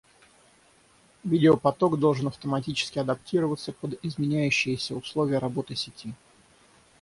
Видеопоток должен автоматически адаптироваться под изменяющиеся условия работы сети